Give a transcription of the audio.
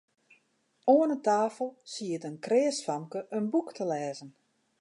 Oan 'e tafel siet in kreas famke in boek te lêzen.